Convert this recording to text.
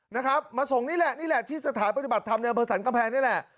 นะครับมาส่งนี่แหละนี่แหละที่สถานปฏิบัติธรรมในอำเภอสรรกำแพงนี่แหละ